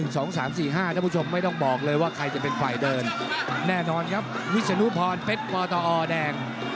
ท่านผู้ชมไม่ต้องบอกเลยว่าใครจะเป็นฝ่ายเดินแน่นอนครับวิศนุพรเพชรปตอแดง